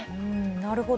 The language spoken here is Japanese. なるほど。